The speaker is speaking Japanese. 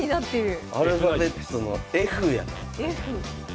アルファベットのＦやなこれは。